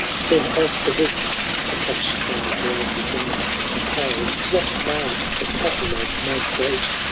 Then of the books, to catch thy drowsy glance Compiled, what bard the catalogue may quote